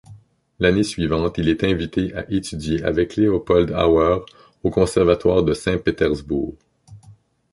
L'année suivante, il est invité à étudier avec Leopold Auer au conservatoire de Saint-Pétersbourg.